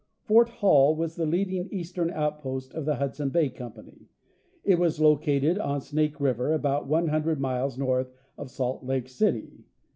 Fort Hall was the leading eastern outpost of the Hudson Bay company. It was located on Snake river about 100 miles north of Salt Lake City.